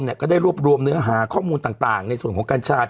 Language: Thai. ก็ได้รวบรวมเนื้อหาข้อมูลต่างในส่วนของกัญชา